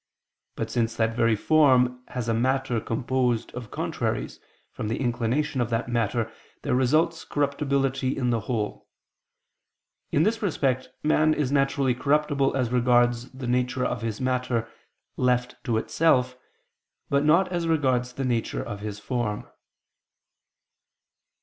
But since that very form has a matter composed of contraries, from the inclination of that matter there results corruptibility in the whole. In this respect man is naturally corruptible as regards the nature of his matter left to itself, but not as regards the nature of his form.